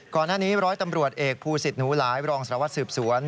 ก่อนหน้านี้ร้อยตำรวจเอกภูศิษฐ์หนูหลายรองสารวัตรสืบสวน